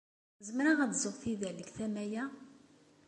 Zemreɣ ad ẓẓuɣ tidal deg tama-a?